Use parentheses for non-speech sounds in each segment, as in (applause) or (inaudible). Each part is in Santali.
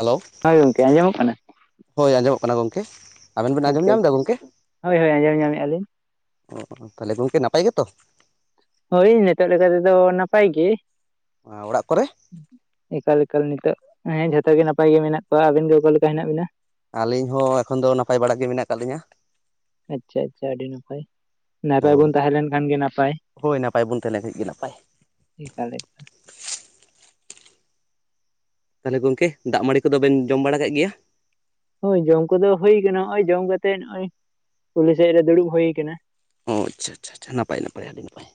ᱦᱮᱞᱳ ᱦᱳᱭ ᱜᱚᱝᱠᱮ, ᱟᱸᱡᱚᱢᱚᱜ ᱠᱟᱱᱟ᱾ ᱦᱳᱭ ᱟᱸᱡᱚᱢᱚᱜ ᱠᱟᱱᱟ ᱜᱚᱢᱠᱮ, ᱟᱵᱮᱱ ᱵᱮᱱ ᱟᱸᱡᱚᱢ ᱟᱪᱪᱷᱟ ᱟᱪᱪᱷᱟ ᱧᱟᱢᱫᱟ ᱜᱚᱢᱠᱮ? ᱦᱳᱭ ᱦᱳᱭ ᱟᱸᱡᱚᱢ ᱧᱟᱢᱮᱫᱼᱟ ᱞᱤᱧ ᱚ ᱛᱟᱦᱚᱞᱮ ᱜᱚᱝᱠᱮ ᱱᱟᱯᱟᱭ ᱜᱮᱛᱚ? ᱦᱳᱭ ᱱᱤᱛᱚᱜ ᱞᱮᱠᱟ ᱛᱮᱫᱚ ᱱᱟᱯᱟᱭ ᱜᱮ᱾ ᱟ ᱚᱲᱟᱜ ᱠᱚᱨᱮ? ᱮᱠᱟᱞ ᱮᱠᱟᱞ ᱱᱤᱛᱚᱜ ᱦᱮᱸ ᱡᱷᱚᱛᱚ ᱜᱮ ᱱᱟᱯᱟᱭ ᱜᱮ ᱢᱮᱱᱟᱜ ᱠᱚᱣᱟ᱾ ᱟᱵᱤᱱ ᱜᱮ ᱚᱠᱟ ᱞᱮᱠᱟ ᱦᱮᱱᱟᱜ ᱵᱤᱱᱟ? ᱟᱹᱞᱤᱧ ᱦᱚᱸ ᱮᱠᱷᱚᱱ ᱫᱚ ᱱᱟᱯᱟᱭ ᱵᱟᱲᱟᱜ ᱜᱮ ᱢᱮᱱᱟᱜ ᱠᱟᱜ ᱞᱤᱧᱟᱹ᱾ ᱟᱪᱪᱷᱟ ᱟᱪᱪᱷᱟ ᱟᱹᱰᱤ ᱱᱟᱯᱟᱭ, ᱱᱟᱯᱟᱭ ᱵᱚᱱ ᱛᱟᱦᱮᱸ ᱞᱮᱱ ᱠᱷᱟᱱ ᱜᱮ ᱱᱟᱯᱟᱭ᱾ ᱵᱟᱵᱚᱱ ᱛᱟᱦᱞᱮ ᱟᱹᱰᱤ ᱜᱮ ᱱᱟᱯᱟᱭ, ᱮᱠᱟᱞ ᱞᱮ ᱛᱟᱦᱚᱞᱮ ᱜᱚᱝᱢᱮ ᱫᱟᱜ ᱢᱟᱹᱲᱤ ᱠᱚᱫᱚ ᱵᱮᱱ ᱡᱚᱢ ᱵᱟᱲᱟ ᱠᱮᱜ ᱜᱮᱭᱟ? ᱦᱳᱭ ᱡᱚᱢ ᱠᱚᱫᱚ ᱦᱩᱭ ᱠᱟᱱᱟ, ᱦᱚᱜ-ᱚᱭ ᱡᱚᱢ ᱠᱟᱛᱮᱜ ᱱᱚᱜ-ᱚᱭ ᱠᱩᱞᱦᱤ ᱥᱮᱫ ᱨᱮ ᱫᱩᱲᱩᱵ ᱦᱩᱭ ᱠᱟᱱᱟ᱾ ᱚ ᱟᱪᱪᱷᱟ ᱟᱪᱪᱷᱟ ᱟᱪᱪᱷᱟ ᱱᱟᱯᱟᱭ ᱱᱟᱯᱟᱭ ᱟᱹᱰᱤ ᱱᱟᱯᱟᱭ,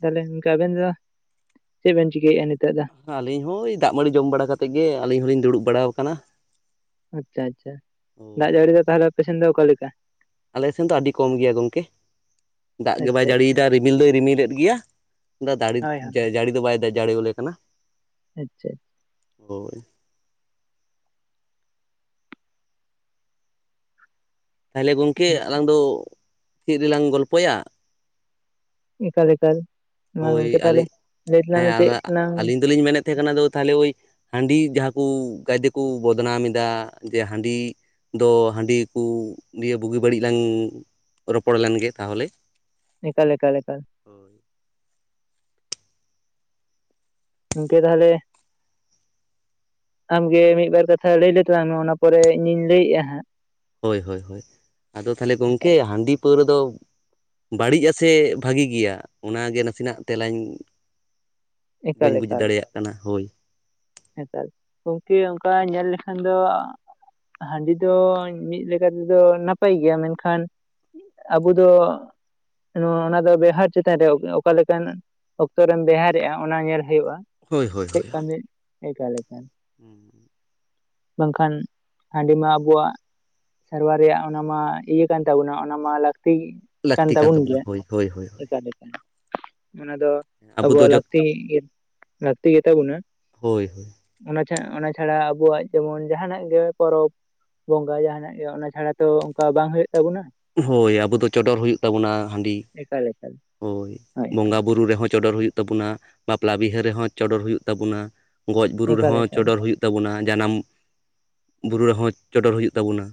ᱛᱟᱦᱚᱞᱮ ᱜᱚᱝᱠᱮ ᱟᱵᱮᱱ ᱫᱚ ᱪᱮᱫ ᱵᱮᱱ ᱪᱤᱠᱟᱹᱭᱮᱜᱼᱟ ᱱᱤᱛᱳᱜ ᱫᱚ? ᱟᱹᱞᱤᱧ ᱦᱚᱸ ᱭ ᱫᱟᱜ ᱢᱟᱹᱲᱤ ᱡᱚᱢ ᱵᱟᱲᱟ ᱠᱟᱛᱮᱜ ᱜᱮ ᱟᱹᱞᱤᱧ ᱦᱚᱞᱤᱧ ᱫᱩᱲᱩᱵ ᱵᱟᱲᱟᱣ ᱠᱟᱱᱟ᱾ ᱟᱪᱪᱷᱟ ᱟᱪᱪᱷᱟ ᱫᱟᱜ ᱦᱳᱭ ᱡᱟᱹᱲᱤ ᱫᱚ ᱛᱟᱦᱚᱞᱮ ᱟᱯᱮ ᱥᱮᱱ ᱫᱚ ᱚᱠᱟᱞᱮ ᱞᱮᱠᱟ? ᱟᱞᱮ ᱥᱮᱱ ᱫᱚ ᱟᱹᱰᱤ ᱠᱚᱢ ᱜᱮᱭᱟ ᱜᱚᱝᱠᱮ᱾ ᱫᱟᱜ ᱜᱮ ᱵᱟᱭ ᱟᱪᱪᱷᱟ ᱟᱪᱪᱷᱟ ᱡᱟᱹᱲᱤᱭᱮᱫᱟ ᱨᱤᱢᱤᱞ ᱫᱚᱭ ᱨᱤᱢᱤᱞᱮᱫ ᱜᱮᱭᱟ (unintelligible) ᱦᱳᱭ ᱦᱳᱭ ᱡᱟᱹᱲᱤ ᱡᱟᱹᱲᱤ ᱫᱚ ᱵᱟᱭ (unintelligible) ᱡᱟᱹᱲᱤᱭᱟᱞᱮ ᱠᱟᱱᱟ, ᱟᱪᱪᱷᱟ ᱦᱳᱭ ᱛᱟᱦᱚᱞᱮ ᱜᱚᱝᱠᱮ ᱟᱞᱟᱝ ᱫᱚ ᱪᱮᱫ ᱨᱮᱞᱟᱝ ᱜᱚᱞᱯᱚᱭᱟ? ᱮᱠᱟᱞ ᱮᱠᱟᱞ ᱢᱟ ᱦᱳᱭ ᱜᱚᱝᱠᱮ ᱟᱹᱞᱤᱧ ᱛᱟᱦᱚᱞᱮ ᱞᱟᱹᱭ ᱛᱟᱞᱟᱝ ᱢᱮ ᱪᱮᱫ ᱞᱟᱝ ᱛᱮᱦᱮᱸ ᱠᱟᱱᱟ ᱫᱚ ᱛᱟᱦᱚᱞᱮ ᱳᱭ ᱦᱟᱺᱰᱤ ᱡᱟᱦᱟᱸ ᱠᱚ ᱜᱮᱭᱛᱮᱠᱚ ᱵᱚᱫᱱᱟᱢ ᱮᱫᱟ ᱡᱮ ᱦᱟᱺᱰᱤ ᱫᱚ ᱦᱟᱺᱰᱤ ᱠᱩ ᱱᱤᱭᱟᱹ ᱵᱩᱜᱤ ᱵᱟᱹᱲᱤᱡ ᱞᱟᱝ ᱨᱚᱯᱚᱲ ᱞᱮᱱᱜᱮ ᱛᱟᱦᱚᱞᱮ ᱮᱠᱟᱞ ᱮᱠᱟᱞ ᱮᱠᱟᱞ ᱦᱳᱭ ᱤᱱᱠᱮ ᱛᱟᱦᱚᱞᱮ ᱟᱢᱜᱮ ᱢᱤᱫ ᱵᱟᱨ ᱠᱟᱛᱷᱟ ᱞᱟᱹᱭ ᱞᱮ ᱛᱟᱞᱟᱝ ᱢᱮ ᱚᱱᱟ ᱯᱚᱨᱮ ᱤᱧᱤᱧ ᱞᱟᱹᱭᱮᱜᱼᱟ ᱦᱟᱸᱜ ᱦᱳᱭ ᱦᱳᱭ ᱟᱫᱚ ᱛᱟᱦᱞᱮ ᱜᱚᱢᱠᱮ ᱮᱠᱟᱞ ᱦᱟᱺᱰᱤ ᱯᱟᱹᱣᱨᱟᱹ ᱫᱚ ᱵᱟᱹᱲᱤᱡ ᱟ ᱥᱮ ᱵᱷᱟᱜᱤ ᱜᱮᱭᱟ ᱚᱱᱟᱜᱮ ᱱᱟᱥᱤᱱᱟᱜ ᱛᱮᱞᱟᱧ ᱵᱟᱹᱧ ᱮᱠᱟᱞ ᱵᱩᱡᱽ ᱮᱠᱟᱞ ᱫᱟᱲᱮᱭᱟᱜ ᱠᱟᱱᱟ ᱦᱳᱭ ᱦᱮᱸᱛᱟᱞ ᱜᱚᱢᱠᱤ ᱚᱱᱠᱟ ᱧᱮᱞ ᱞᱮᱠᱷᱟᱱ ᱫᱚ ᱦᱟᱺᱰᱤ ᱫᱚ ᱢᱤᱫ ᱞᱮᱠᱟᱛᱮᱫᱚ ᱱᱟᱯᱟᱭ ᱜᱮᱭᱟ ᱢᱮᱱᱠᱷᱟᱱ ᱟᱵᱚ ᱫᱚ ᱚᱱᱟ ᱫᱚ ᱵᱮᱣᱦᱟᱨ ᱪᱮᱛᱟᱱ ᱨᱮ ᱚᱠᱟ ᱞᱮᱠᱟᱱ ᱚᱠᱛᱚᱨᱮᱢ ᱵᱮᱣᱦᱟᱨ ᱮᱜ ᱼᱟ ᱚᱱᱟ ᱧᱮᱞ ᱦᱩᱭᱩᱜᱼᱟ ᱦᱳᱭ ᱪᱮᱫ ᱠᱟᱹᱢᱤ ᱮᱠᱟᱞ ᱮᱠᱟᱞ ᱦᱩᱸ (inaudible) ᱵᱟᱝᱠᱷᱟᱱ ᱦᱟᱺᱰᱤᱢᱟ ᱟᱵᱩᱣᱟᱜ ᱥᱮᱨᱣᱟ ᱨᱮᱭᱟᱜ ᱚᱱᱟ ᱢᱟ ᱤᱭᱟᱹ ᱠᱟᱱ ᱛᱟᱵᱚᱱᱟ ᱚᱱᱟ ᱢᱟ ᱞᱟᱹᱠᱛᱤ ᱜᱤ ᱠᱟᱱ ᱞᱟᱹᱠᱛᱤ ᱛᱟ ᱵᱩᱱ ᱛᱟᱵᱚᱱᱟ ᱜᱮᱭᱟ ᱦᱳᱭ ᱦᱳᱭ ᱦᱳᱭ ᱮᱠᱟᱫ ᱮᱠᱟ ᱚᱱᱟ ᱫᱚ ᱟᱵᱚ ᱫᱚ ᱟᱵᱚᱣᱟᱜ ᱡᱚᱛ ᱞᱟᱹᱠᱛᱤ (inaudible) ᱞᱟᱹᱠᱛᱤ ᱜᱮ ᱛᱟᱵᱚᱱᱟ ᱦᱳᱭ ᱦᱳᱭ ᱚᱱᱟ ᱪᱷᱟ ᱚᱱᱟ ᱪᱷᱟᱲᱟ ᱟᱵᱚᱣᱟᱜ ᱡᱮᱢᱚᱱ ᱡᱟᱦᱟᱱᱟᱜ ᱜᱮ ᱯᱚᱨᱚᱵᱽ ᱵᱚᱸᱜᱟ ᱡᱟᱦᱟᱱᱟᱜ ᱜᱮ ᱚᱱᱟ ᱪᱷᱟᱲᱟ ᱛᱚ ᱚᱱᱠᱟ ᱵᱟᱝ ᱦᱳᱭᱳᱜ ᱛᱟᱵᱚᱱᱟ ᱦᱳᱭ ᱟᱵᱚ ᱫᱚ ᱪᱚᱰᱚᱨ ᱦᱩᱭᱩᱜ ᱛᱟᱵᱚᱱᱟ ᱦᱟᱺᱰᱤ ᱮᱠᱟᱞᱮ (unintelligible) ᱦᱳᱭ ᱵᱚᱸᱜᱟ ᱵᱩᱨᱩ ᱨᱮᱦᱚᱸ ᱪᱚᱰᱚᱨ ᱦᱩᱭᱩᱜ ᱛᱟᱵᱚᱱᱟ ᱵᱟᱯᱞᱟ ᱵᱤᱦᱟᱹ ᱨᱮᱦᱚᱸ ᱪᱚᱰᱚᱨ ᱦᱩᱭᱩᱜ ᱛᱟᱵᱚᱱᱟ ᱜᱚᱡ ᱵᱩᱨᱩ ᱮᱠᱟᱞ ᱨᱮᱦᱚᱸ ᱮᱠᱟᱞ ᱪᱚᱰᱚᱨ ᱦᱩᱭᱩᱜ ᱛᱟᱵᱚᱱᱟ ᱡᱟᱱᱟᱢ ᱵᱩᱨᱩ ᱨᱮᱦᱚᱸ ᱪᱚᱰᱚᱨ ᱦᱩᱭᱩᱜ ᱛᱟᱵᱚᱱᱟ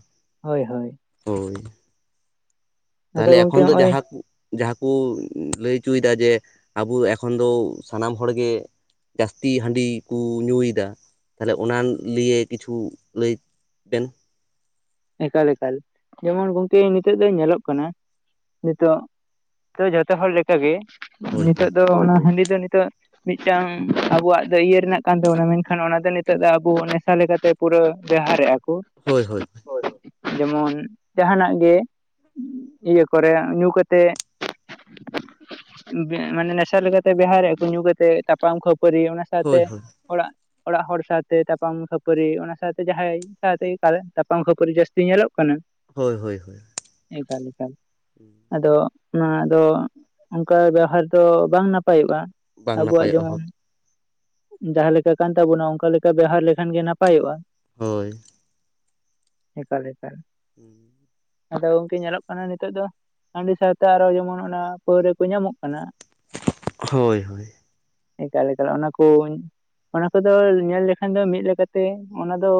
ᱦᱳᱭ ᱦᱳᱭ ᱦᱳᱭ ᱟᱫᱚ ᱛᱟᱦᱞᱮ ᱜᱚᱝᱠᱮ ᱮᱠᱷᱚᱱ ᱫᱚ ᱦᱚᱸᱜᱼᱚᱭ ᱡᱟᱦᱟᱸ ᱠᱩ ᱡᱟᱸᱦᱟ ᱠᱩ (unintelligible) ᱠᱩ ᱞᱟᱹᱭ ᱪᱚᱭᱫᱟ ᱡᱮ ᱟᱵᱚ ᱮᱠᱷᱚᱱ ᱫᱚ ᱥᱟᱱᱟᱢ ᱦᱚᱲᱜᱮ ᱡᱟᱹᱥᱛᱤ ᱦᱟᱺᱰᱤ ᱠᱩ ᱧᱩᱭᱫᱟ ᱛᱟᱦᱞᱮ ᱚᱱᱟ ᱞᱤᱭᱮ ᱠᱤᱪᱷᱩ ᱞᱟᱹᱭ ᱵᱮᱱ ᱮᱠᱟᱞ ᱮᱠᱟᱞ ᱡᱮᱢᱚᱱ ᱜᱚᱝᱠᱮ ᱱᱤᱛᱚᱜ ᱫᱚ ᱧᱮᱞᱚᱜ ᱠᱟᱱᱟ ᱱᱤᱛᱚᱜ ᱛᱚ ᱡᱚᱛᱚ ᱦᱚᱲ ᱞᱮᱠᱟᱜᱮ ᱦᱳᱭ ᱦᱳᱭ ᱱᱤᱛᱚᱜ ᱫᱚ ᱚᱱᱟ ᱦᱟᱺᱰᱤ ᱫᱚ ᱱᱤᱛᱚᱜ ᱢᱤᱫᱴᱟᱝ ᱟᱵᱚᱣᱟᱜ ᱫᱚ ᱤᱭᱟᱹ ᱨᱮᱱᱟᱜ ᱠᱟᱱ ᱛᱟᱵᱚᱱᱟ ᱢᱮᱱᱠᱷᱟᱱ ᱚᱱᱟ ᱫᱚ ᱱᱤᱛᱚᱜ ᱫᱚ ᱟᱵᱚ ᱱᱮᱥᱟ ᱞᱮᱠᱟ ᱛᱮ ᱯᱩᱨᱟᱹ ᱵᱮᱣᱦᱟᱨᱮᱜᱼᱟ ᱠᱚ ᱦᱳᱭ ᱦᱳᱭ (unintelligible) ᱡᱮᱢᱚᱱ ᱡᱟᱦᱟᱱᱟᱜ ᱜᱮ ᱤᱭᱟᱹ ᱠᱚᱨᱮ ᱧᱩ ᱠᱟᱛᱮ ᱢᱟᱱᱮ ᱱᱮᱥᱟ ᱞᱮᱠᱟᱛᱮ ᱵᱮᱣᱦᱟᱨᱮᱜ-ᱟ ᱠᱚ ᱧᱩ ᱠᱟᱛᱮ ᱛᱟᱯᱟᱢ ᱠᱚ ᱯᱟᱹᱨᱤ ᱚᱱᱟ ᱥᱟᱶᱛᱮ ᱦᱳᱭ ᱦᱳᱭ ᱚᱲᱟᱜ ᱚᱲᱟᱜ ᱦᱚᱲ ᱥᱟᱶᱛᱮ ᱛᱟᱯᱟᱢ ᱠᱷᱟᱹᱯᱟᱹᱨᱤ ᱚᱱᱟ ᱥᱟᱶᱛᱮ ᱡᱟᱦᱟᱸᱭ ᱥᱟᱶᱛᱮ (inaudible) ᱛᱟᱯᱟᱢ ᱠᱷᱟᱹᱯᱟᱹᱨᱤ ᱡᱟᱹᱥᱛᱤ ᱧᱮᱞᱚᱜ ᱠᱟᱱᱟ ᱦᱳᱭ ᱦᱳᱭ ᱦᱳᱭ ᱮᱠᱟᱞ ᱮᱠᱟᱞ ᱟᱫᱚ ᱱᱚᱣᱟ ᱫᱚ ᱚᱱᱠᱟ ᱵᱮᱣᱦᱟᱨ ᱫᱚ ᱵᱟᱝ ᱱᱟᱯᱟᱭᱚᱜᱼᱟ ᱵᱟᱝ ᱱᱟᱯᱟᱭᱚᱜᱼᱟ ᱦᱳ- ᱡᱟᱦᱟ ᱞᱮᱠᱟ ᱠᱟᱱ ᱛᱟᱵᱚᱱᱟ ᱚᱱᱠᱟ ᱞᱮᱠᱟ ᱵᱮᱣᱦᱟᱨ ᱞᱮᱠᱷᱟᱱ ᱜᱮ ᱱᱟᱯᱟᱭᱚᱜᱼᱟ ᱦᱳᱭ ᱮᱠᱟᱞ ᱮᱠᱟᱞ ᱩᱸ ᱟᱫᱚ ᱜᱚᱝᱠᱮ ᱧᱮᱞᱚᱜ ᱠᱟᱱᱟ ᱱᱤᱛᱚᱜ ᱫᱚ ᱦᱟᱺᱰᱤ ᱥᱟᱶᱛᱮ ᱟᱨᱚ ᱡᱮᱢᱚᱱ ᱚᱱᱟ ᱯᱟᱹᱣᱨᱟᱹ ᱠᱚ ᱧᱟᱢᱚᱜ ᱠᱟᱱᱟ ᱦᱳᱭ ᱦᱳᱭ ᱮᱠᱟᱞ ᱮᱠᱟᱞ ᱚᱱᱟ ᱠᱚ ᱠᱩᱧ ᱚᱱᱟ ᱠᱚ ᱫᱚ ᱧᱮᱞ ᱞᱮᱠᱷᱟᱱ ᱫᱚ ᱢᱤᱫ ᱞᱮᱠᱟ ᱛᱮ ᱚᱱᱟ ᱫᱚ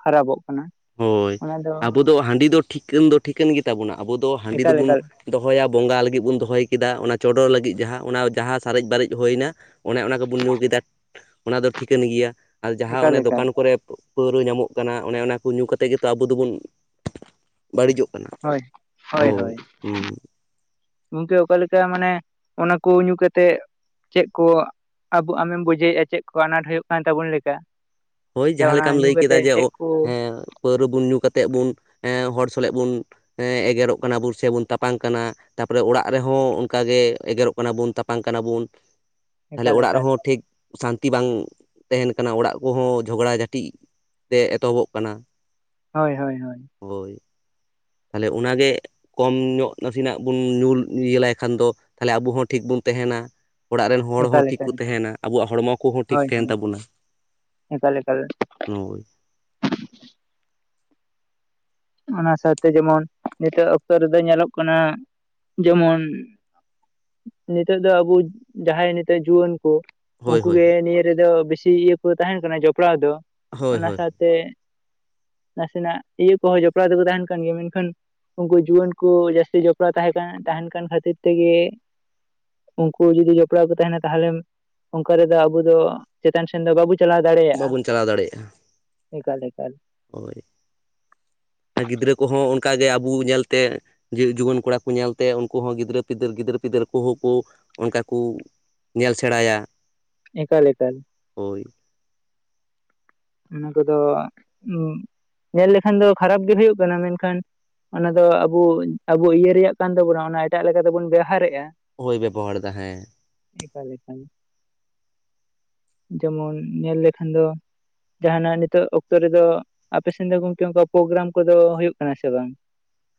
ᱠᱷᱟᱨᱟᱯᱚᱜ ᱠᱟᱱᱟ ᱦᱳᱭ ᱟᱵᱚ ᱫᱚ ᱦᱟᱺᱰᱤ ᱫᱚ ᱴᱷᱤᱠᱟᱹᱱ ᱫᱚ ᱴᱷᱤᱠᱟᱹᱱ ᱜᱮ ᱛᱟᱵᱚᱱᱟ ᱟᱵᱚ ᱫᱚ ᱦᱟᱺᱰᱤ ᱫᱚ ᱮᱠᱟᱞ ᱵᱚᱱ ᱮᱠᱟᱞ ᱫᱚᱦᱚᱭᱟ ᱵᱚᱸᱜᱟ ᱞᱟᱹᱜᱤᱫ ᱵᱚᱱ ᱫᱚᱦᱚᱭ ᱠᱮᱫᱟ ᱚᱱᱟ ᱪᱚᱰᱚᱨ ᱞᱟᱹᱜᱤᱫ ᱡᱟᱸᱦᱟ ᱚᱱᱟ ᱡᱟᱸᱦᱟ ᱥᱟᱨᱮᱡ ᱵᱟᱨᱮᱡ ᱦᱩᱭᱱᱟ ᱚᱱᱮ ᱚᱱᱟ ᱜᱮ ᱵᱚᱱ ᱧᱩ ᱠᱮᱫᱟ ᱚᱱᱟ ᱫᱚ ᱴᱷᱤᱠᱟᱹᱱ ᱜᱮᱭᱟ ᱟᱨ ᱡᱟᱸᱦᱟ ᱮᱠᱟᱞ ᱚᱱᱮ ᱮᱠᱟᱞ ᱫᱚᱠᱟᱱ ᱠᱚᱨᱮ ᱯᱟᱹᱣᱨᱟᱹ ᱧᱟᱢᱚᱜ ᱠᱟᱱᱟ ᱚᱱᱮ ᱚᱱᱟ ᱠᱚ ᱧᱩ ᱠᱟᱛᱮ ᱜᱮ ᱛᱚ ᱟᱵᱚ ᱫᱚ ᱵᱚᱱ ᱵᱟᱹᱲᱤᱡᱚᱜ ᱠᱟᱱᱟ ᱦᱳᱭ ᱦᱳᱭ ᱦᱩᱸ ᱜᱚᱝᱠᱮ ᱚᱠᱟ ᱞᱮᱠᱟ ᱢᱟᱱᱮ ᱚᱱᱟ ᱠᱚ ᱧᱩ ᱠᱟᱛᱮᱜ ᱪᱮᱫ ᱠᱚ ᱟᱵᱚ ᱟᱢᱮᱢ ᱵᱩᱡᱷᱟᱹᱣ ᱟ ᱪᱮᱫ ᱠᱚ ᱟᱱᱟᱴ ᱦᱩᱭᱩᱜ ᱠᱟᱱ ᱛᱟᱵᱚᱱ ᱞᱮᱠᱟ ᱦᱳᱭ ᱥᱮ ᱡᱟᱸᱦᱟ ᱚᱱᱟ ᱞᱮᱠᱟᱢ ᱧᱩ ᱞᱟᱹᱭ ᱠᱮᱫᱟ ᱠᱟᱛᱮᱜ ᱡᱮ ᱳ ᱪᱮᱫ ᱠᱚ ᱦᱮᱸ ᱯᱟᱹᱣᱨᱟᱹ ᱵᱚᱱ ᱧᱩ ᱠᱟᱛᱮᱜ ᱵᱚᱱ ᱮᱸ ᱦᱚᱲ ᱥᱟᱞᱟᱜ ᱵᱚᱱ (unintelligible) ᱮᱜᱮᱨᱚᱜ ᱠᱟᱱᱟ ᱵᱩᱱ ᱥᱮ ᱵᱩᱱ ᱛᱟᱯᱟᱝ ᱠᱟᱱᱟ ᱛᱟᱨᱯᱚᱨᱮ ᱚᱲᱟᱜ ᱨᱮᱦᱚᱸ ᱚᱱᱠᱟᱜᱮ ᱮᱜᱮᱨᱚᱜ ᱠᱟᱱᱟ ᱵᱳᱱ ᱛᱟᱯᱟᱝ ᱠᱟᱱᱟ ᱵᱳᱱ ᱛᱟᱦᱞᱮ ᱮᱠᱟᱞ ᱚᱲᱟᱜ ᱮᱠᱟᱞ ᱨᱮᱦᱚᱸ ᱴᱷᱤᱠ ᱥᱟᱱᱛᱤ ᱵᱟᱝ ᱛᱮᱦᱮᱱ ᱠᱟᱱᱟ ᱚᱲᱟᱜ ᱠᱚ ᱦᱚᱸ ᱡᱷᱚᱜᱽᱲᱟ ᱡᱷᱴᱤᱜ ᱛᱮ ᱮᱛᱚᱦᱚᱵᱚᱜ ᱠᱟᱱᱟ ᱦᱚᱭ ᱦᱚᱭ ᱦᱚᱭ ᱦᱳᱭ ᱛᱟᱦᱞᱮ ᱚᱱᱟᱜᱮ ᱠᱚᱢ ᱧᱚᱜ ᱱᱟᱥᱮᱱᱟᱜ ᱵᱚᱱ ᱧᱩᱞ ᱤᱭᱟᱹᱞᱟᱭ ᱠᱷᱟᱱ ᱫᱚ ᱛᱟᱦᱞᱮ ᱟᱵᱚ ᱦᱚᱸ ᱴᱷᱤᱠ ᱵᱚ ᱛᱟᱸᱦᱮᱱᱟ ᱚᱲᱟᱜ ᱨᱮᱱ ᱦᱚᱲ ᱮᱠᱟᱞ ᱦᱚᱸ ᱴᱷᱤᱠ ᱠᱚ ᱮᱠᱟᱞ ᱛᱟᱦᱮᱱᱟ ᱟᱵᱚᱣᱟᱜ ᱦᱚᱲᱢᱚ ᱠᱚᱦᱚᱸ ᱴᱷᱤᱠ ᱦᱳᱭ ᱛᱟᱦᱮᱱ ᱦᱳᱭ ᱛᱟᱵᱚᱱᱟ ᱮᱠᱟᱞ ᱮᱠᱟᱞ ᱦᱳᱭ ᱚᱱᱟ ᱥᱟᱶᱛᱮ ᱡᱮᱢᱚᱱ ᱱᱤᱛᱚᱜ ᱚᱠᱛᱚ ᱨᱮᱫᱚ ᱧᱮᱞᱚᱜ ᱠᱟᱱᱟ ᱡᱮᱢᱚᱱ ᱱᱤᱛᱚᱜ ᱫᱚ ᱟᱵᱚ ᱡᱟᱦᱟᱸᱭ ᱱᱤᱛᱚᱜ ᱡᱩᱣᱟᱹᱱ ᱠᱚ ᱦᱳᱭ ᱩᱱᱠᱩ ᱦᱳᱭ ᱜᱮ ᱱᱤᱭᱟᱹ ᱨᱮᱫᱚ ᱵᱮᱥᱤ ᱤᱭᱟᱹ ᱠᱚ ᱛᱟᱦᱮᱱ ᱠᱟᱱᱟ ᱡᱚᱯᱲᱟᱣ ᱫᱚ ᱦᱳᱭ ᱚᱱᱟ ᱦᱳᱭ ᱥᱟᱶ- ᱛᱮ ᱱᱟᱥᱮᱱᱟᱜ ᱤᱭᱟᱹ ᱠᱚᱦᱚᱸ ᱡᱚᱯᱲᱟᱣ ᱛᱮᱠᱚ ᱛᱟᱦᱮᱱ ᱠᱟᱱ ᱜᱮᱭᱟ ᱢᱮᱱᱠᱷᱟᱱ ᱩᱱᱠᱩ ᱡᱩᱣᱟᱹᱱ ᱠᱚ ᱡᱟᱹᱥᱛᱤ ᱡᱚᱯᱲᱟᱣ ᱛᱟᱦᱮᱸ ᱠᱟᱱᱟ ᱛᱟᱦᱮᱱ ᱠᱟᱱ ᱠᱷᱟᱹᱛᱤᱨ ᱛᱮᱜᱮ ᱩᱱᱠᱩ ᱡᱩᱫᱤ ᱡᱚᱯᱲᱟᱣ ᱠᱚ ᱛᱟᱦᱮᱱᱟ ᱛᱟᱦᱚᱞᱮ ᱚᱱᱠᱟ ᱨᱮᱫᱚ ᱟᱵᱚ ᱫᱚ ᱪᱮᱛᱟᱱ ᱥᱮᱱ ᱫᱚ ᱵᱟᱵᱚ ᱪᱟᱞᱟᱣ ᱫᱟᱲᱮᱭᱟᱜᱼᱟ, ᱵᱟᱵᱚᱱ ᱪᱟᱞᱟᱣ ᱫᱟᱲᱮᱭᱟᱜᱼᱟ ᱮᱠᱟᱞ ᱮᱠᱟᱞ ᱦᱳᱭ ᱟᱨ ᱜᱤᱫᱽᱨᱟᱹ ᱠᱚᱦᱚᱸ ᱚᱱᱠᱟᱜᱮ ᱟᱵᱚ ᱧᱮᱞᱛᱮ ᱡᱩᱣᱟᱹᱱ ᱠᱚᱲᱟ ᱠᱚ ᱧᱮᱞᱛᱮ ᱩᱱᱠᱩ ᱦᱚᱸ ᱜᱤᱫᱽᱨᱟᱹ ᱯᱤᱫᱟᱹᱨ ᱜᱤᱫᱽᱨᱟᱹ ᱯᱤᱫᱟᱨ ᱠᱚᱦᱚᱸ ᱠᱚ ᱚᱱᱠᱟ ᱠᱚ ᱧᱮᱞ ᱥᱮᱬᱟᱭᱟ ᱮᱠᱟᱞ ᱮᱠᱟᱞ ᱦᱳᱭ ᱚᱱᱟ ᱠᱚᱫᱚ ᱧᱮᱞ ᱞᱮᱠᱷᱟᱱ ᱫᱚ ᱠᱷᱟᱨᱟᱯ ᱜᱮ ᱦᱩᱭᱩᱜ ᱠᱟᱱᱟ ᱢᱮᱱᱠᱷᱟᱱ ᱚᱱᱟ ᱫᱚ ᱟᱵᱚ - ᱟᱵᱚ ᱤᱭᱟᱹ ᱨᱮᱭᱟᱜ ᱠᱟᱱ ᱛᱟᱵᱚᱱᱟ ᱚᱱᱟ ᱮᱴᱟᱜ ᱞᱮᱠᱟᱛᱮᱵᱩᱱ ᱵᱮᱣᱦᱟᱨᱮᱜᱼᱟ ᱦᱳᱭ ᱵᱮᱵᱚᱦᱟᱨ ᱮᱫᱟ ᱦᱮᱸ ᱮᱠᱟᱠ ᱮᱠᱟᱞ ᱡᱮᱢᱚᱱ ᱧᱮᱞ ᱞᱮᱠᱷᱟᱱ ᱫᱚ ᱡᱟᱦᱱᱟᱜ ᱱᱤᱛᱚᱜ ᱚᱠᱛᱚ ᱨᱮᱫᱚ ᱟᱯᱮ ᱥᱮᱱ ᱫᱚ ᱜᱚᱢᱠᱮ ᱚᱱᱠᱟ ᱯᱨᱳᱜᱨᱟᱢ ᱠᱚᱫᱚ ᱦᱩᱭᱩᱜ ᱠᱟᱱᱟ ᱥᱮ ᱵᱟᱝ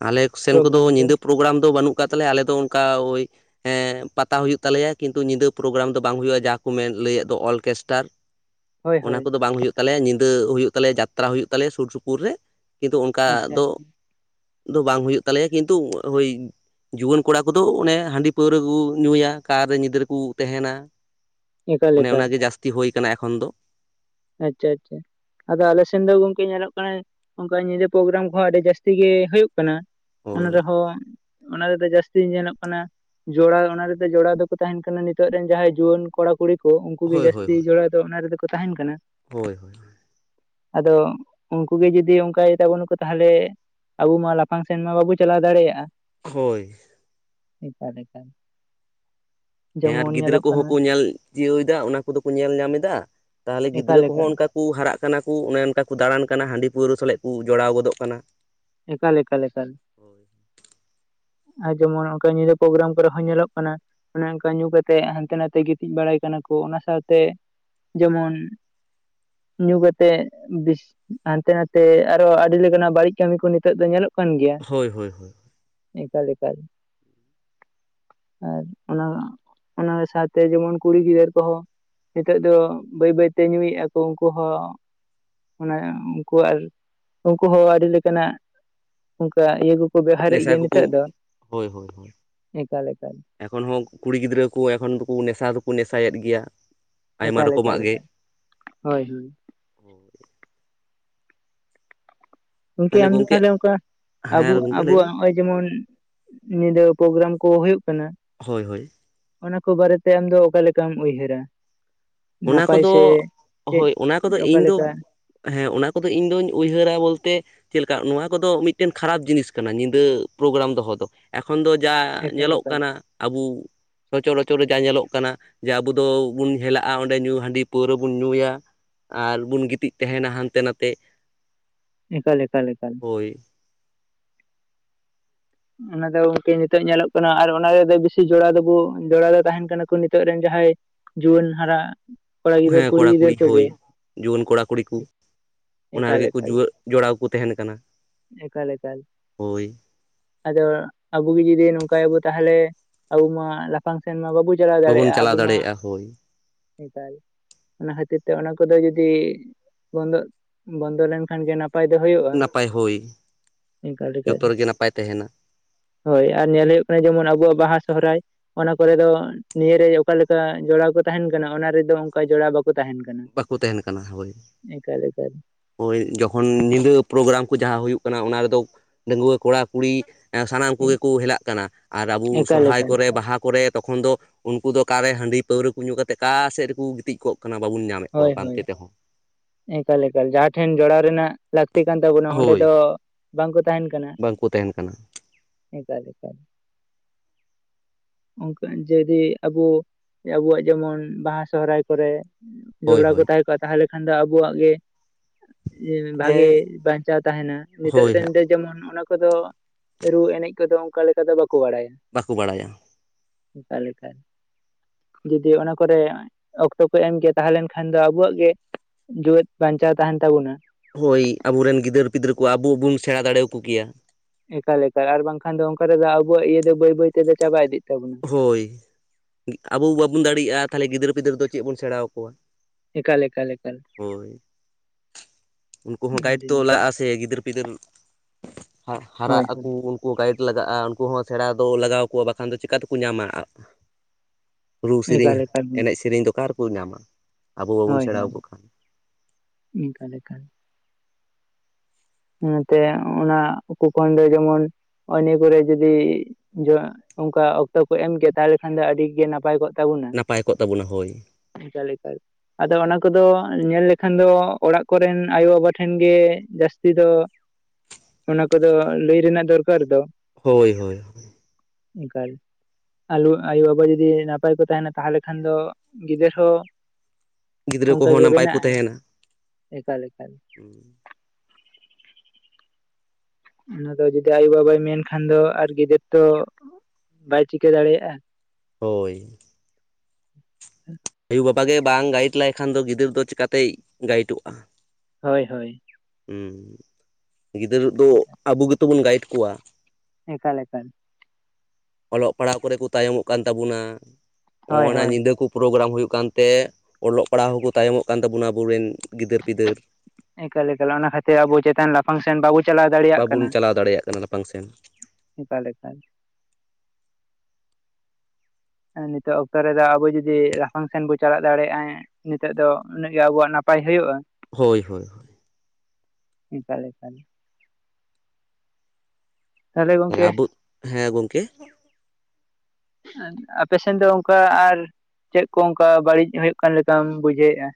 ᱟᱞᱮ ᱠᱚᱥᱮᱱ ᱠᱚᱫᱚ ᱯᱨᱳᱜᱨᱟᱢ ᱠᱚ ᱧᱤᱫᱟᱹ ᱯᱨᱳᱜᱨᱟᱢ ᱫᱚ ᱵᱟᱹᱱᱩᱜ ᱠᱟᱫ ᱛᱟᱞᱮᱭᱟ ᱟᱞᱮᱫᱚ ᱚᱱᱠᱟ ᱳᱭ ᱦᱮᱸ ᱯᱟᱛᱟ ᱦᱩᱭᱩᱜ ᱛᱟᱞᱮᱭᱟ ᱠᱤᱱᱛᱩ ᱧᱤᱫᱟᱹ ᱯᱨᱳᱜᱨᱟᱢ ᱫᱚ ᱵᱟᱝ ᱦᱩᱭᱩᱜᱼᱟ ᱡᱟᱦᱟᱸ ᱠᱚ ᱢᱮᱱ ᱞᱟᱹᱭᱮᱫ ᱫᱚ ᱚᱨᱠᱮᱥᱴᱟᱨ ᱦᱳᱭ ᱚᱱᱟ ᱦᱳᱭ ᱠᱚᱫᱚ ᱵᱟᱝ ᱦᱩᱭᱩᱜ ᱛᱟᱞᱮᱭᱟ ᱧᱤᱫᱟᱹ ᱦᱩᱭᱩᱜ ᱛᱟᱞᱮᱭᱟ ᱡᱟᱛᱨᱟ ᱦᱩᱭᱩᱜ ᱛᱟᱞᱮᱭᱟ ᱥᱩᱨ ᱥᱩᱯᱩᱨ ᱨᱮ ᱠᱤᱱᱛᱩ ᱚᱱᱠᱟ ᱟᱪᱪᱷᱟ ᱫᱚ, ᱟᱪᱪᱷᱟ ᱫᱚ ᱵᱟᱝ ᱦᱩᱭᱩᱜ ᱛᱟᱞᱮᱭᱟ ᱠᱤᱱᱛᱩ ᱳᱭ ᱡᱩᱣᱟᱹᱱ ᱠᱚᱲᱟ ᱠᱚᱫᱚ ᱚᱱᱮ ᱦᱟᱺᱰᱤ ᱯᱟᱹᱣᱨᱟᱹ ᱠᱚ ᱧᱩᱭᱟ ᱠᱟᱨᱮ ᱧᱤᱫᱟᱹ ᱠᱚ ᱛᱟᱦᱮᱱᱟ ᱾ ᱮᱠᱟᱞ ᱚᱱᱮ ᱮᱠᱟᱞ ᱚᱱᱟᱜᱮ ᱡᱟᱹᱥᱛᱤ ᱦᱩᱭ ᱠᱟᱱᱟ ᱮᱠᱷᱚᱱ ᱫᱚ ᱟᱪᱪᱷᱟ ᱟᱪᱪᱷᱟ ᱟᱫᱚ ᱟᱞᱮ ᱥᱮᱱ ᱫᱚ ᱜᱚᱝᱠᱮ ᱧᱮᱞᱚᱜ ᱠᱟᱱᱟ ᱚᱱᱠᱟ ᱧᱤᱫᱟᱹ ᱯᱨᱳᱜᱨᱟᱢ ᱠᱚᱦᱚᱸ ᱟᱹᱰᱤ ᱡᱟᱹᱥᱛᱤ ᱜᱮ ᱦᱳᱭᱳᱜ ᱠᱟᱱᱟ ᱚᱱᱟ ᱦᱳᱭ ᱨᱮᱦᱚᱸ ᱚᱱᱟ ᱨᱮᱫᱚ ᱡᱟᱹᱥᱛᱤ ᱧᱮᱞᱚᱜ ᱠᱟᱱᱟ ᱡᱚᱲᱟ ᱚᱱᱟ ᱨᱮᱫᱚ ᱡᱚᱲᱟᱣ ᱫᱚᱠᱚ ᱛᱟᱦᱮᱱ ᱠᱟᱱᱟ ᱱᱤᱛᱚᱜ ᱨᱮᱱ ᱡᱟᱦᱟᱸᱭ ᱡᱩᱣᱟᱹᱱ ᱠᱚᱲᱟ ᱠᱩᱲᱤ ᱠᱚ ᱩᱱᱠᱩ ᱜᱮ ᱦᱳᱭ ᱦᱳᱭ ᱡᱟᱹᱥᱛᱤ ᱡᱚᱲᱟ ᱫᱚ ᱚᱱᱟ ᱨᱮᱫᱚ ᱠᱚ ᱛᱟᱦᱮᱱ ᱠᱟᱱᱟ ᱦᱳᱭ ᱟᱫᱚ ᱩᱱᱠᱩ ᱜᱮ ᱡᱩᱫᱤ ᱚᱱᱠ ᱤᱭᱟᱹ ᱛᱟᱵᱚᱱᱟᱠᱚ ᱛᱟᱦᱚᱞᱮ ᱟᱵᱚ ᱢᱟ ᱞᱟᱯᱷᱟᱝ ᱥᱮᱱ ᱢᱟ ᱵᱟᱵᱚ ᱪᱟᱞᱟᱣ ᱫᱟᱲᱮᱭᱟᱜᱼᱟ᱾ ᱦᱳᱭ ᱮᱠᱟᱞ ᱮᱠᱟᱞ ᱦᱮᱸ ᱟᱨ ᱡᱮᱢᱚᱱ ᱜᱤᱫᱽᱨᱟᱹ ᱧᱮᱞᱚᱜ ᱠᱚᱦᱚᱸ ᱠᱟᱱᱟ ᱠᱚ ᱧᱮᱞ ᱪᱤᱣᱟᱣ ᱫᱟ ᱚᱱᱟ ᱠᱚᱫᱚ ᱠᱚ ᱧᱮᱞ ᱧᱟᱢ ᱮᱫᱟ ᱛᱟᱦᱚᱞᱮ ᱮᱠᱟᱞ ᱜᱤᱫᱽᱨᱟᱹ ᱠᱚᱦᱚᱸ ᱮᱠᱟᱞ ᱚᱱᱠᱟ ᱠᱚ ᱦᱟᱨᱟᱜ ᱠᱟᱱᱟ ᱠᱚ ᱚᱱᱮ ᱚᱱᱠᱟ ᱠᱚ ᱫᱟᱬᱟᱱ ᱠᱟᱱᱟ ᱦᱟᱺᱰᱤ ᱯᱟᱹᱣᱨᱟᱹ ᱥᱟᱞᱮᱫ ᱠᱚ ᱡᱚᱲᱟᱣ ᱜᱚᱫᱚᱜ ᱠᱟᱱᱟ᱾ ᱮᱠᱟᱞ ᱮᱠᱟᱞ ᱮᱠᱟᱞ (inaudible) ᱟᱨ ᱡᱮᱢᱚᱱ ᱚᱱᱠᱟ ᱧᱤᱫᱟᱹ ᱯᱨᱳᱜᱨᱟᱢ ᱠᱚᱨᱮ ᱦᱚᱸ ᱧᱮᱞᱚᱜ ᱠᱟᱱᱟ᱾ ᱚᱱᱮ ᱚᱱᱠᱟ ᱧᱩ ᱠᱟᱛᱮᱜ ᱦᱟᱱᱛᱮ ᱱᱟᱛᱮ ᱜᱤᱛᱤᱡ ᱵᱟᱲᱟᱭ ᱠᱟᱱᱟ ᱠᱚ ᱚᱱᱟ ᱥᱟᱶᱛᱮ ᱡᱮᱢᱚᱱ ᱧᱩ ᱠᱟᱛᱮ ᱵᱤᱥ ᱦᱟᱱᱛᱮ ᱱᱟᱛᱮ ᱟᱨᱚ ᱟᱹᱰᱤ ᱞᱮᱠᱟᱱᱟᱜ ᱵᱟᱹᱲᱤᱡᱽ᱾ ᱠᱟᱹᱢᱤ ᱠᱚ ᱱᱤᱛᱚᱜ ᱫᱚ ᱧᱮᱞᱚᱜ ᱠᱟᱱ ᱜᱮᱭᱟ ᱦᱳᱭ ᱦᱳᱭ ᱦᱳᱭ ᱮᱠᱟᱞ ᱮᱠᱟᱞ ᱟᱨ ᱚᱱᱟ ᱚᱱᱟ ᱥᱟᱶᱛᱮ ᱡᱮᱢᱚᱱ ᱠᱩᱲᱤ ᱜᱤᱫᱟᱹᱨ ᱠᱚᱦᱚᱸ ᱱᱤᱛᱚᱜ ᱫᱚ ᱵᱟᱹᱭ ᱵᱟᱹᱭ ᱛᱮ ᱧᱩᱭ ᱟᱠᱚ ᱩᱱᱠᱩ ᱦᱚᱸ ᱚᱱᱟ ᱩᱱᱠᱩ ᱟᱨ ᱩᱱᱠᱩ ᱦᱚᱸ ᱟᱹᱰᱤ ᱞᱮᱠᱟᱱᱟᱜ ᱚᱱᱠᱟ ᱤᱭᱟᱹ ᱠᱚ ᱠᱚ ᱵᱮᱣᱦᱟᱨᱮᱜ ᱜᱮᱭᱟ ᱱᱮᱥᱟ ᱱᱤᱛᱚᱜ ᱠᱚᱠᱚ ᱫᱚ ᱦᱳᱭ ᱦᱳᱭ ᱦᱳᱭ ᱮᱠᱟᱞ ᱮᱠᱟᱞ ᱮᱠᱷᱚᱱ ᱦᱚᱸ ᱠᱩᱲᱤ ᱜᱤᱫᱽᱨᱟᱹ ᱠᱚ ᱮᱠᱷᱚᱱ ᱫᱚᱠᱚ ᱱᱮᱥᱟ ᱫᱚᱠᱚ ᱱᱮᱥᱟᱭᱮᱫ ᱜᱮᱭᱟ᱾ ᱟᱭᱢᱟ ᱮᱠᱟᱞ ᱮᱠᱟᱞ ᱨᱚᱠᱚᱢᱟᱜ ᱜᱮ ᱦᱳᱭ ᱦᱳᱭ (unintelligible) ᱜᱚᱝᱠᱮ ᱟᱢ ᱫᱚ ᱛᱟᱦᱞᱮ ᱚᱱᱠᱟ ᱟᱵᱚ ᱦᱮᱸ ᱜᱚᱝᱠᱮ ᱞᱟᱹᱭ ᱟᱵᱚᱣᱟᱜ ᱵᱤᱱ ᱱᱚᱜᱼᱚᱭ ᱡᱮᱢᱚᱱ ᱧᱤᱫᱟᱹ ᱯᱨᱳᱜᱨᱟᱢ ᱠᱚ ᱦᱚᱭᱩᱜ ᱠᱟᱱᱟ᱾ ᱦᱳᱭ ᱦᱳᱭ ᱚᱱᱟ ᱠᱚ ᱵᱟᱨᱮ ᱛᱮ ᱟᱢᱫᱚ ᱚᱠᱟ ᱞᱮᱠᱟᱢ ᱩᱭᱦᱟᱹᱨᱟ᱾ ᱚᱱᱟ ᱱᱟᱯᱟᱭ ᱠᱚᱫᱚ ᱥᱮ ᱪᱮᱫ ᱦᱳᱭ ᱚᱱᱟ ᱠᱚᱫᱚ ᱤᱧᱫᱚ ᱚᱠᱟᱞᱮᱠᱟ ᱦᱮᱸ ᱚᱱᱟ ᱠᱚᱫᱚ ᱤᱧ ᱫᱚᱧ ᱩᱭᱦᱟᱹᱨᱟ ᱵᱚᱞᱛᱮ ᱪᱮᱫ ᱞᱮᱠᱟ ᱱᱚᱣᱟ ᱠᱚᱫᱚ ᱢᱤᱫᱴᱮᱱ ᱠᱷᱟᱨᱟᱯ ᱡᱤᱱᱤᱥ ᱠᱟᱱᱟ ᱧᱤᱫᱟᱹ ᱯᱨᱳᱜᱨᱟᱢ ᱫᱚᱦᱚ ᱫᱚ ᱮᱠᱷᱚᱱ ᱫᱚ ᱡᱟ ᱮᱠᱟᱞ ᱧᱮᱞᱚᱜ ᱮᱠᱟᱞ ᱠᱟᱱᱟ᱾ ᱟᱵᱚ ᱥᱚᱪᱚᱨ ᱚᱪᱚᱨ ᱨᱮ ᱡᱟ ᱧᱮᱞᱚᱜ ᱠᱟᱱᱟ ᱡᱮ ᱟᱵᱚ ᱫᱚᱵᱚᱱ ᱦᱮᱞᱟᱜ ᱟᱨ ᱚᱸᱰᱮ ᱧᱩ ᱦᱟᱺᱰᱤ ᱯᱟᱹᱣᱨᱟᱹ ᱵᱚᱱ ᱧᱩᱭᱟ ᱟᱨ ᱵᱩᱱ ᱜᱤᱛᱤᱡ ᱛᱟᱦᱮᱱᱟ ᱦᱟᱱᱛᱮ ᱱᱟᱛᱮ ᱮᱠᱟᱞ ᱮᱠᱟᱞ ᱮᱠᱟᱞ ᱦᱳᱭ ᱚᱱᱟ ᱫᱚ ᱜᱚᱝᱠᱮ ᱱᱤᱛᱚᱜ ᱧᱮᱞᱚᱜ ᱠᱟᱱᱟ ᱟᱨ ᱚᱱᱟ ᱨᱮᱫᱚ ᱵᱮᱥᱤ ᱡᱚᱲᱟ ᱫᱚᱵᱚ ᱡᱚᱲᱟ ᱫᱚ ᱛᱟᱦᱮᱱ ᱠᱟᱱᱟ ᱠᱚ ᱱᱤᱛᱚᱜ ᱨᱮᱱ ᱡᱟᱦᱟᱸᱭ ᱡᱩᱣᱟᱹᱱ ᱦᱟᱨᱟ ᱠᱚᱲᱟ ᱜᱤᱫᱟᱹᱨ ᱦᱮᱸ ᱠᱚᱲᱟ ᱜᱤᱫᱟᱹᱨ ᱠᱩᱲᱤ ᱦᱳᱭ ᱠᱚᱜᱮ ᱡᱩᱣᱟᱹᱱ ᱠᱚᱲᱟ ᱠᱩᱲᱤ ᱠᱚ ᱚᱱᱟ ᱮᱠᱟᱞ ᱨᱮᱜᱮ ᱠᱚ ᱮᱠᱟᱞ ᱡᱩᱣᱟ ᱡᱚᱲᱟᱣ ᱠᱚ ᱛᱟᱦᱮᱱ ᱠᱟᱱᱟ ᱮᱠᱟᱞ ᱮᱠᱟᱞ ᱦᱳᱭ ᱟᱫᱚ ᱟᱵᱚ ᱜᱮ ᱡᱩᱫᱤ ᱱᱚᱝᱠᱟᱭᱟᱵᱚ ᱛᱟᱦᱚᱞᱮ ᱟᱵᱚ ᱢᱟ ᱞᱟᱯᱷᱟᱝ ᱥᱮᱱ ᱢᱟ ᱵᱟᱵᱩ ᱪᱟᱞᱟᱣ ᱵᱟᱵᱚᱱ ᱫᱟᱲᱮᱭᱟᱜᱼᱟ ᱪᱟᱞᱟᱣ ᱟᱵᱚ ᱢᱟ ᱫᱟᱲᱮᱭᱟᱜᱼᱟ ᱦᱳᱭ ᱱᱮᱛᱟᱨ ᱚᱱᱟ ᱠᱷᱟᱹᱛᱤᱨ ᱛᱮ ᱚᱱᱟ ᱠᱚᱫᱚ ᱡᱩᱫᱤ ᱵᱚᱱᱫᱚ ᱵᱚᱱᱫᱚ ᱞᱮᱱᱠᱷᱟᱱ ᱜᱮ ᱱᱟᱯ ᱱᱟᱯᱟᱭ ᱫᱚ ᱦᱩᱭᱩᱜᱼᱟ ᱱᱟᱯᱟᱭ ᱮᱱᱠᱟ ᱞᱮᱠᱟ ᱜᱮ ᱱᱟᱯᱟᱭ ᱛᱟᱦᱮᱱᱟ᱾ ᱦᱳᱭ ᱟᱨ ᱧᱮᱞ ᱦᱩᱭᱩᱜ ᱠᱟᱱᱟ ᱡᱮ ᱟᱵᱚᱣᱟᱜ ᱵᱟᱦᱟ ᱥᱚᱦᱚᱨᱟᱭ ᱚᱱᱟ ᱠᱚᱨᱮ ᱫᱚ ᱱᱤᱭᱟᱹᱨᱮ ᱚᱠᱟᱞᱮᱠᱟ ᱡᱚᱲᱟᱣ ᱠᱚ ᱛᱟᱦᱮᱱ ᱠᱟᱱᱟ ᱚᱱᱟ ᱨᱮᱫᱚ ᱚᱱᱠᱟ ᱡᱚᱲᱟᱣ ᱵᱟᱠᱚ ᱠᱚ ᱛᱟᱦᱮᱱ ᱠᱟᱱᱟ ᱵᱟᱠᱚ ᱛᱟᱦᱮᱱ ᱠᱟᱱᱟ ᱮᱠᱟᱞ ᱮᱠᱟᱞ ᱦᱳᱭ ᱡᱚᱠᱷᱚᱱ ᱧᱤᱫᱟᱹ ᱯᱨᱳᱜᱨᱟᱢ ᱠᱚ ᱡᱟᱦᱟᱸ ᱦᱩᱭᱩᱜ ᱠᱟᱱᱟ ᱚᱱᱟ ᱨᱮᱫᱚ ᱰᱟᱺᱜᱩᱣᱟᱹ ᱠᱚᱲᱟ ᱠᱩᱲᱤ ᱥᱟᱱᱟᱢ ᱠᱚᱜᱮ ᱠᱚ ᱦᱮᱞᱟᱜ ᱠᱟᱱᱟ ᱟᱨ ᱟᱵᱚ ᱮᱠᱟᱞ ᱥᱚᱨᱦᱟᱭ ᱮᱠᱟᱞ ᱠᱚᱨᱮ ᱵᱟᱦᱟ ᱠᱚᱨᱮ ᱛᱚᱠᱷᱚᱱ ᱫᱚ ᱩᱱᱠᱩ ᱫᱚ ᱚᱠᱟᱨᱮ ᱦᱟᱺᱰᱤ ᱯᱟᱹᱣᱨᱟᱹ ᱠᱚ ᱧᱩ ᱠᱟᱛᱮᱫ ᱚᱠᱟ ᱥᱮᱫ ᱨᱮᱠᱚ ᱜᱤᱛᱤᱡᱽ ᱠᱚᱜ ᱵᱟᱵᱚᱱ ᱧᱟᱢᱮᱫ ᱦᱳᱭ ᱠᱚᱣᱟ ᱦᱳᱭ ᱯᱟᱱᱛᱮ ᱛᱮᱦᱚᱸ ᱮᱠᱟᱞ ᱮᱠᱟᱞ ᱡᱟᱦᱟᱸ ᱴᱷᱮᱱ ᱡᱚᱲᱟᱣ ᱨᱮᱱᱟᱜ ᱞᱟᱹᱠᱛᱤ ᱠᱟᱱ ᱛᱟᱵᱚᱱᱟ ᱚᱸᱰᱮ ᱦᱳᱭ ᱫᱚ ᱵᱟᱝᱠᱚ ᱛᱟᱦᱮᱱ ᱠᱟᱱᱟ᱾ ᱵᱟᱝᱠᱚ ᱛᱟᱦᱮᱱ ᱠᱟᱱᱟ (unintelligible) (inaudible) ᱚᱱᱠᱟ ᱡᱚᱫᱤ ᱟᱵᱚ ᱟᱵᱩᱣᱟᱜ ᱡᱮᱢᱚᱱ ᱵᱟᱦᱟ ᱥᱚᱦᱨᱟᱭ ᱠᱚᱨᱮ ᱦᱳᱭ (unintelligible) ᱠᱚ ᱦᱳᱭ ᱛᱟᱦᱮᱸ ᱠᱚᱜᱼᱟ ᱛᱟᱦᱚᱞᱮ ᱠᱷᱟᱱ ᱫᱚ ᱟᱵᱚᱣᱟᱜ ᱜᱮ ᱵᱷᱟᱹᱜᱤ ᱦᱮᱸ ᱵᱟᱧᱪᱟᱣ ᱛᱟᱦᱮᱱᱟ ᱱᱤᱛᱚᱜ ᱦᱳᱭ ᱨᱮᱱ ᱫᱚ ᱡᱮᱢᱚᱱ ᱚᱱᱟ ᱠᱚᱫᱚ ᱨᱩ ᱮᱱᱮᱡ ᱠᱚᱫᱚ ᱚᱱᱠᱟ ᱞᱮᱠᱟ ᱫᱚ ᱵᱟᱠᱚ ᱵᱟᱲᱟᱭᱟ ᱵᱟᱠᱚ ᱵᱟᱲᱟᱭᱟ ᱚᱱᱠᱟ ᱞᱮᱠᱟ ᱡᱩᱫᱤ ᱚᱱᱟ ᱠᱚᱨᱮ ᱚᱠᱛᱚ ᱠᱚ ᱮᱢ ᱜᱮ ᱛᱟᱦᱚᱞᱮᱱ ᱠᱷᱟᱱ ᱫᱚ ᱟᱵᱚᱣᱟᱜ ᱜᱮ ᱡᱤᱣᱤᱫ ᱵᱟᱧᱪᱟᱣ ᱛᱟᱦᱮᱱ ᱛᱟᱵᱚᱱᱟ ᱦᱳᱭ ᱟᱵᱚᱨᱮᱱ ᱜᱤᱫᱟᱹᱨ ᱯᱤᱫᱟᱹᱨᱟᱹ ᱠᱚ ᱟᱵᱚ ᱵᱚᱱ ᱥᱮᱬᱟ ᱫᱟᱲᱮᱭᱟᱠᱚ ᱜᱮᱭᱟ ᱮᱠᱟᱞ ᱮᱠᱟᱞ ᱟᱨ ᱵᱟᱝᱠᱷᱟᱱ ᱫᱚ ᱚᱱᱠᱟ ᱨᱮᱫᱚ ᱟᱵᱚᱣᱟᱜ ᱤᱭᱟᱹ ᱫᱚ ᱵᱟᱹᱭ ᱵᱟᱹᱭ ᱛᱮ ᱪᱟᱵᱟ ᱤᱫᱤᱜ ᱛᱟᱵᱚᱱᱟ ᱦᱳᱭ ᱟᱵᱚ ᱵᱟᱵᱚᱱ ᱫᱟᱲᱮᱭᱟᱜᱼᱟ ᱛᱟᱦᱚᱞᱮ ᱜᱤᱫᱟᱹᱨ ᱯᱤᱫᱟᱹᱨ ᱫᱚ ᱪᱮᱫ ᱵᱚᱱ ᱥᱮᱬᱟ ᱟᱠᱚᱣᱟ ᱮᱠᱟᱞ ᱮᱠᱟᱞ ᱮᱠᱟᱞ ᱦᱳᱭ ᱩᱱᱠᱩ ᱦᱚᱸ ᱜᱟᱭᱤᱰ ᱟᱹᱰᱤ ᱛᱚ ᱱᱟᱯᱟᱭ ᱞᱟᱜᱼᱟ ᱥᱮ ᱥᱮ ᱜᱤᱫᱟᱹᱨ ᱯᱤᱫᱟᱹᱨ ᱦᱟᱜᱼᱼ ᱦᱟᱨᱟᱜ ᱦᱳᱭ ᱟᱠᱚ ᱦᱳᱭ ᱩᱱᱼᱼ ᱠᱩ ᱜᱟᱭᱤᱰ ᱞᱟᱜᱟᱜᱼᱟ ᱩᱱᱠᱩ ᱦᱚᱸ ᱥᱮᱬᱟ ᱫᱚ ᱞᱟᱜᱟᱣ ᱠᱚᱣᱟ ᱵᱟᱠᱷᱟᱱ ᱫᱚ ᱪᱤᱠᱟᱛᱮᱠᱚ ᱧᱟᱢᱟ ᱨᱩ ᱥᱮᱨᱮᱧ ᱮᱠᱟᱞ ᱮᱠᱟᱞ ᱮᱱᱮᱡ ᱥᱮᱨᱮᱧ ᱫᱚ ᱚᱠᱟ ᱨᱮᱠᱚ ᱧᱟᱢᱟ ᱟᱵᱚ ᱵᱟᱵᱚᱱ ᱦᱳᱭ ᱥᱮᱬᱟ ᱟᱠᱚ ᱦᱳᱭ ᱠᱷᱟᱱ ᱱᱤᱝᱠᱟ ᱞᱮᱠᱟ ᱚᱱᱟᱛᱮ ᱚᱱᱟ (unintelligible) ᱠᱷᱚᱱ ᱫᱚ ᱡᱮᱢᱚᱱ ᱚᱱ ᱱᱤᱭᱟᱹ ᱠᱚᱨᱮ ᱡᱩᱫᱤ (unintelligible) ᱚᱱᱠᱟ ᱚᱠᱛᱚ ᱠᱚ ᱮᱢᱠᱮ ᱛᱟᱦᱚᱞᱮ ᱠᱷᱟᱱ ᱫᱚ ᱟᱹᱰᱤᱜᱮ ᱱᱟᱯᱟᱭ ᱠᱚᱜ ᱛ ᱱᱟᱯᱟᱭ ᱠᱚᱜ ᱛᱟᱵᱚᱱᱟ ᱦᱳᱭ (unintelligible) ᱞᱮᱠᱟ ᱜᱮ ᱟᱫᱚ ᱚᱱᱟ ᱠᱚᱫᱚ ᱧᱮᱞ ᱞᱮᱠᱷᱟᱱ ᱫᱚ ᱚᱲᱟᱜ ᱠᱚᱨᱮᱱ ᱟᱭᱳ ᱵᱟᱵᱟ ᱴᱷᱮᱱ ᱜᱮ ᱡᱟᱹᱥᱼᱼ ᱛᱤ ᱫᱚ ᱚᱱᱟ ᱠᱚᱫᱚ ᱞᱟᱹᱭ ᱨᱮᱱᱟᱜ ᱫᱚᱨᱠᱟᱨ ᱫᱚ ᱦᱳᱭ ᱦᱳᱭ ᱮᱠᱟᱞ ᱟᱞᱚ ᱟᱭᱳᱼᱵᱟᱵᱟ ᱡᱩᱫᱤ ᱱᱟᱯᱟᱭ ᱠᱚ ᱛᱟᱦᱮᱱᱟ ᱛᱟᱦᱚᱞᱮ ᱠᱷᱟᱱ ᱫᱚ ᱜᱤᱫᱟᱹᱨ ᱦᱚᱸ ᱜᱤᱫᱽᱨᱟᱹ ᱚᱱᱠᱟᱜᱮ ᱠᱚᱦᱚᱸ ᱱᱟᱯᱟᱭ ᱵᱮᱱᱟᱜ ᱟᱭ ᱮᱠᱟᱞ ᱮᱠᱟᱞ ᱦᱩᱸᱻ ᱚᱱᱟ ᱫᱚ ᱡᱩᱫᱤ ᱟᱭᱳ ᱵᱟᱵᱟᱭ ᱢᱮᱱᱠᱷᱟᱱ ᱫᱚ ᱟᱨ ᱜᱤᱫᱟᱹᱨ ᱫᱚ ᱵᱟᱭ ᱪᱤᱠᱟᱹ ᱫᱟᱲᱮᱭᱟᱜᱼᱟ ᱦᱳᱭ ᱟᱭᱳᱼᱵᱟᱵᱟ ᱜᱮ ᱵᱟᱝ ᱜᱟᱭᱤᱰ ᱞᱟᱭᱠᱷᱟᱱ ᱫᱚ ᱜᱤᱫᱟᱹᱨ ᱫᱚ ᱪᱮᱠᱟ ᱛᱮᱭ ᱜᱟᱭᱤᱰᱚᱜᱼᱟ ᱦᱳᱭ ᱦᱳᱭ ᱦᱩᱸ ᱜᱤᱫᱽᱟᱹᱨ ᱫᱚ ᱟᱵᱚ ᱜᱮᱛᱚ ᱵᱚᱱ ᱜᱟᱭᱤᱰ ᱠᱚᱣᱟ ᱮᱠᱟᱞ ᱮᱠᱟᱞ ᱚᱞᱚᱜ ᱯᱟᱲᱦᱟᱣ ᱠᱚᱨᱮ ᱠᱚ ᱛᱟᱭᱚᱢᱚᱜ ᱠᱟᱱ ᱛᱟᱵᱚᱱᱟ ᱦᱳᱭ ᱱᱚᱜ ᱱᱟ ᱦᱳᱭ ᱧᱤᱫᱟᱹ ᱠᱚ ᱯᱨᱳᱜᱨᱟᱢ ᱦᱩᱭᱩᱜ ᱠᱟᱱᱛᱮ ᱚᱞᱚᱜ ᱯᱟᱲᱦᱟᱣ ᱦᱚᱸᱠᱚ ᱛᱟᱭᱚᱢᱚᱜ ᱠᱟᱱ ᱛᱟᱵᱚᱱᱟ ᱟᱵᱚᱨᱮᱱ ᱜᱤᱫᱟᱹᱨ ᱯᱤᱫᱟᱹᱨ ᱮᱠᱟᱞ ᱮᱠᱟᱞ ᱚᱱᱟ ᱠᱷᱟᱹᱛᱤᱨ ᱟᱵᱚ ᱪᱮᱛᱟᱱ ᱞᱟᱯᱷᱟᱝ ᱥᱮᱱ ᱵᱟᱵᱚ ᱪᱟᱞᱟᱣ ᱫᱟᱲᱮᱭᱟᱜ ᱠᱟᱱᱟ ᱵᱟᱵᱚᱱ ᱪᱟᱞᱟᱣ ᱫᱟᱲᱮᱭᱟᱜ ᱠᱟᱱᱟ ᱞᱟᱯᱷᱟᱝ ᱥᱮᱱ ᱮᱠᱟᱞ ᱮᱠᱟᱞ ᱱᱤᱛᱚᱜ ᱚᱠᱛᱚ ᱨᱮᱫᱚ ᱟᱵᱚ ᱡᱩᱫᱤ ᱞᱟᱯᱷᱟᱝ ᱥᱮᱱ ᱵᱚᱱ ᱪᱟᱞᱟᱜ ᱫᱟᱲᱮᱭᱟᱜᱼᱟ ᱦᱮᱸᱻ ᱱᱤᱛᱚᱜ ᱫᱚ ᱩᱱᱟᱹᱜ ᱜᱮ ᱟᱵᱚᱣᱟᱜ ᱱᱟᱯᱟᱭ ᱦᱩᱭᱩᱜᱼᱟ ᱦᱳᱭᱻ ᱦᱳᱭ ᱮᱠᱟᱞᱼᱮᱠᱟᱞ ᱛᱟᱦᱚᱞᱮ ᱜᱚᱝᱠᱮ ᱟᱵᱚ ᱦᱮᱸ ᱜᱚᱢᱠᱮ (inaudible) ᱟᱯᱮ ᱥᱮᱱ ᱫᱚ ᱚᱱᱠᱟ ᱟᱨ ᱪᱮᱫ ᱠᱚ ᱚᱱᱠᱟ ᱵᱟᱹᱲᱤᱡ ᱦᱩᱭᱩᱜ ᱠᱟᱱ ᱞᱮᱠᱟᱢ ᱵᱩᱡᱷᱟᱹᱣᱮᱫᱼᱟ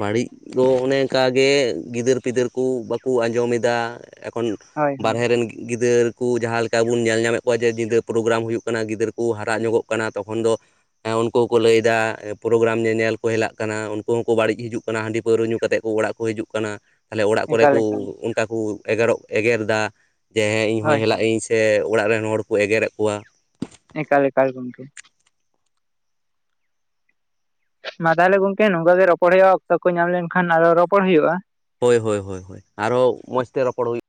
ᱵᱟᱹᱲᱤᱡ ᱫᱚ ᱚᱱᱮ ᱚᱱᱠᱟᱜᱮ ᱜᱤᱫᱟᱹᱨ ᱯᱤᱫᱟᱹᱨ ᱠᱚ ᱵᱟᱠᱚ ᱟᱸᱡᱚᱢᱮᱫᱟ ᱮᱠᱷᱚᱱ ᱦᱳᱭ ᱦᱳᱭ ᱵᱟᱦᱨᱮ ᱨᱮᱱ ᱜᱤᱫᱟᱹᱨ ᱠᱩ ᱡᱟᱦᱟᱸ ᱞᱮᱠᱟ ᱵᱚᱱ ᱧᱮᱞ ᱧᱟᱢᱮᱫ ᱠᱚᱣᱟ ᱡᱮ ᱧᱤᱫᱟᱹ ᱯᱨᱳᱜᱨᱟᱢ ᱦᱩᱭᱩᱜ ᱠᱟᱱᱟ ᱜᱤᱫᱟᱹᱨ ᱠᱚ ᱦᱟᱨᱟᱜ ᱧᱚᱜᱚᱜ ᱠᱟᱱᱟ ᱛᱚᱠᱷᱚᱱ ᱫᱚ ᱮᱸ ᱩᱱᱠᱩ ᱠᱚ ᱞᱟᱹᱭ ᱮᱫᱟ ᱯᱨᱳᱜᱨᱟᱢ ᱧᱮᱧᱮᱞ ᱠᱚ ᱦᱮᱞᱟᱜ ᱠᱟᱱᱟ ᱩᱱᱠᱩ ᱠᱚ ᱵᱟᱹᱲᱤᱡ ᱦᱤᱡᱩᱜ ᱠᱟᱱᱟ ᱦᱟᱺᱰᱤ ᱯᱟᱹᱣᱨᱟᱹ ᱧᱩ ᱠᱟᱛᱮ ᱠᱚ ᱚᱲᱟᱜ ᱠᱚ ᱦᱤᱡᱩᱜ ᱠᱟᱱᱟ ᱛᱟᱦᱚᱞᱮ ᱚᱲᱟᱜ ᱠᱚᱨᱮ ᱮᱠᱟᱞ ᱠᱚ ᱮᱠᱟᱞ ᱩᱱᱼᱼ ᱠᱟ ᱠᱚ ᱮᱜᱮᱨᱚᱜ ᱮᱜᱮᱨ ᱮᱫᱟ ᱡᱮ ᱦᱮᱸ ᱤᱧ ᱦᱚᱭ ᱦᱳᱭ ᱦᱮ ᱦᱳᱭ ᱤᱧ ᱥᱮ ᱚᱲᱟᱜ ᱨᱮᱱ ᱦᱚᱲ ᱠᱚ ᱮᱜᱮᱨᱮᱫ ᱠᱚᱣᱟ, ᱮᱠᱟᱞ ᱮᱠᱟᱞ ᱜᱚᱢᱠᱮ ᱢᱟ ᱛᱟᱦᱞᱮ ᱜᱚᱢᱠᱮ ᱱᱚᱝᱠᱟ ᱜᱮ ᱨᱚᱯᱚᱲ ᱦᱩᱭᱩᱜᱼᱟ ᱚᱠᱛᱚ ᱠᱚ ᱧᱟᱢ ᱞᱮᱱᱠᱷᱟᱱ ᱟᱨᱦᱚᱸ ᱨᱚᱯᱚᱲ ᱦᱩᱭᱩᱜᱼᱟ ᱦᱳᱭ ᱦᱳᱭ ᱦᱳᱭ ᱟᱨᱦᱚᱸ ᱢᱚᱡᱽᱛᱮ ᱨᱚᱯᱚᱲ ᱦᱩᱭᱩᱜᱼᱟ ᱾